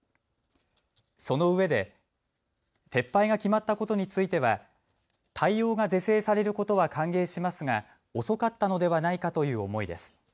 そのうえで撤廃が決まったことについては対応が是正されることは歓迎しますが遅かったのではないかという思いです。